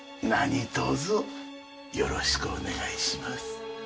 何とぞよろしくお願いします。